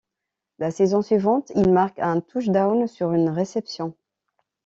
La saison suivante, il marque un touchdown sur une réception.